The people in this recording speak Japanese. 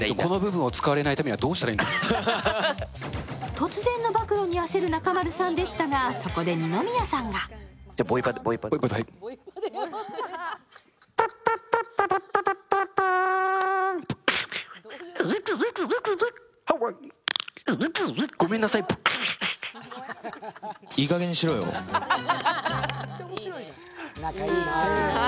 突然の暴露に焦る中丸さんでしたが、そこで二宮さんが仲いいな。